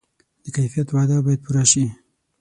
د کیفیت وعده باید پوره شي.